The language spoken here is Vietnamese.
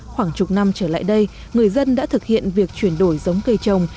khoảng chục năm trở lại đây người dân đã thực hiện việc chuyển đổi giống cây trồng